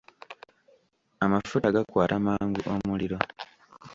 Amafuta gakwata mangu omuliro.